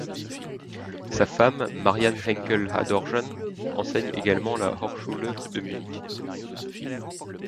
Sa femme Marianne Henkel-Adorjan enseigne également à la Hochschule de Münich.